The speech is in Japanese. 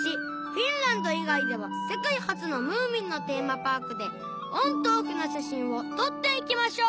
フィンランド以外では世界初の『ムーミン』のテーマパークでオンとオフな写真を撮っていきましょう！